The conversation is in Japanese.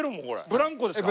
ブランコですか？